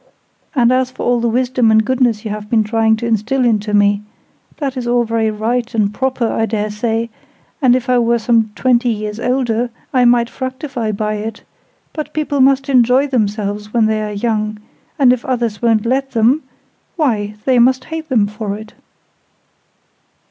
And as for all the wisdom and goodness you have been trying to instil into me—that is all very right and proper, I daresay, and if I were some twenty years older, I might fructify by it: but people must enjoy themselves when they are young; and if others won't let them—why, they must hate them for it!"